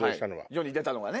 世に出たのがね。